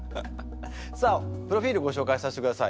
さあプロフィールごしょうかいさせてください。